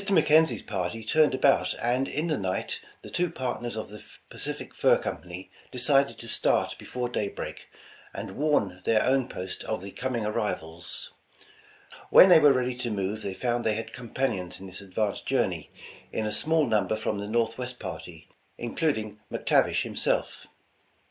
McKenzie 's party turned about, and in the night, the two partners of the Pacific Fur Company de cided to start before daybreak, and warn their own post of the coming arrivals. When they were ready to move they found they had companions in this advance jour 219 The Original John Jacob Astor ney, in a small number from the Northwest party, in cluding McTavish himself.